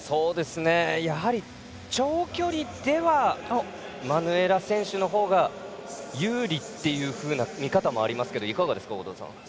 やはり、長距離ではマヌエラ選手のほうが有利っていう見方もありますがいかがですか、後藤さん。